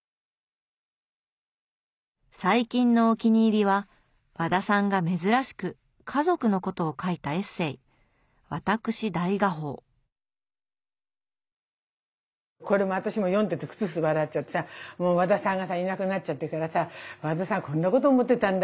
最近のお気に入りは和田さんが珍しく家族のことを書いたエッセーこれも私も読んでてクスクス笑っちゃってさ和田さんがさいなくなっちゃってからさ和田さんこんなこと思ってたんだ